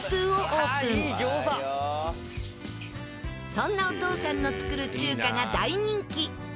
そんなお父さんの作る中華が大人気！